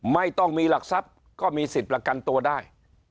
ไม่ต้องมีหลักทรัพย์ก็มีสิทธิ์ประกันตัวได้